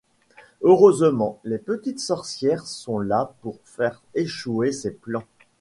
Heureusement, les petites sorcières sont là pour faire échouer ses plans.